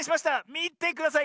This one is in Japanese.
みてください